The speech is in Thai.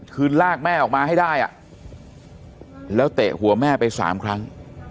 คือลากแม่ออกมาให้ได้แล้วเตะหัวแม่ไปสามครั้ง